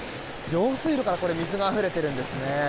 用水路から水があふれているんですね。